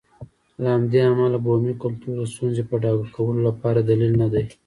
له همدې امله بومي کلتور د ستونزې په ډاګه کولو لپاره دلیل نه دی.